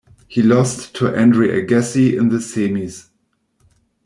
He lost to Andre Agassi in the semis.